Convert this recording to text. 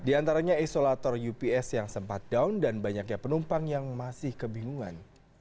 di antaranya isolator ups yang sempat down dan banyaknya penumpang yang masih kebingungan